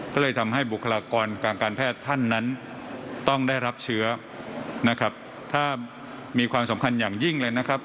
ก็เลยทำให้บุคลากรทางการแพทย์ท่านนั้นต้องได้รับเชื้อนะครับถ้ามีความสำคัญอย่างยิ่งเลยนะครับ